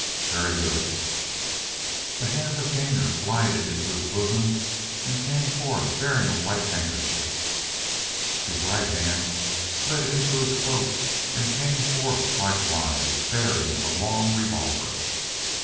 "Very good." The hand of Gainor glided into his bosom and came forth bearing a white handkerchief. His right hand slid into his coat and came forth likewise bearing a long revolver.